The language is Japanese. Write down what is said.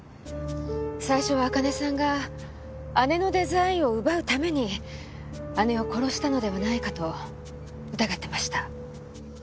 最初は朱音さんが姉のデザインを奪うために姉を殺したのではないかと疑ってました。